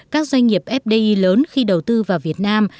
các doanh nghiệp fdi lớn khi đầu tư vào việt nam